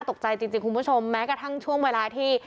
ตกใจจริงคุณผู้ชมแม้กระทั่งช่วงเวลาที่